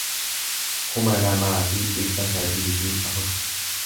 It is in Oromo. kuma lamaa fi dhibba sadii fi afur